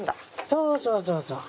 そうそうそうそう。